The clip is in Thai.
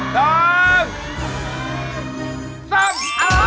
ตรง